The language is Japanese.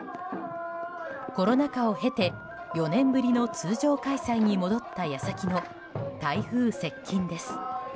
コロナ禍を経て、４年ぶりの通常開催に戻った矢先の台風接近です。